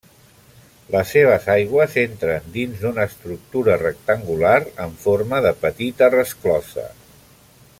Les seves aigües entren dins d’una estructurar rectangular en forma de petita resclosa.